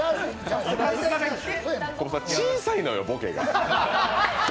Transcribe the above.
小さいのよ、ボケが。